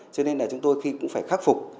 cho nên là chúng tôi khi cũng phải khắc phục